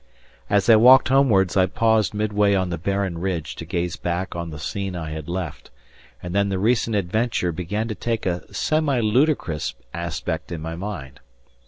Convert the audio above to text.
As I walked homewards I paused midway on the barren ridge to gaze back on the scene I had left, and then the recent adventure began to take a semi ludicrous aspect in my mind.